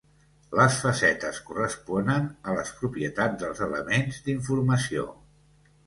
Les facetes corresponen a les propietats dels elements d'informació.